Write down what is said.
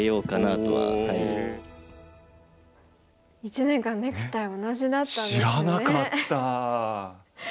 １年間ネクタイ同じだったんですね。